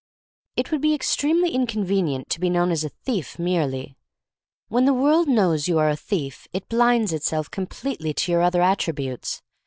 It would be extremely inconvenient to be known as a thief, merely. When the world knows you are a thief it blinds itself completely to your other attributes.